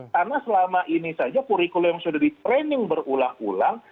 karena selama ini saja kurikulum yang sudah di training berulang ulang